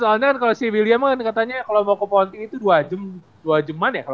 soalnya kan kalo si william kan katanya kalo mau ke ponti itu dua jam dua jaman ya kalo gak salah